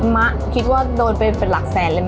มะคิดว่าโดนไปเป็นหลักแสนเลย